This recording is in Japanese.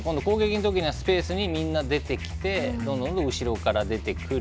空いたスペースにみんな出てきてどんどん後ろから出てくる。